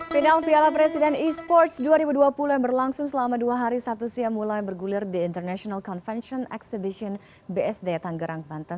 final piala presiden e sports dua ribu dua puluh yang berlangsung selama dua hari sabtu siang mulai bergulir di international convention exhibition bsd tanggerang banten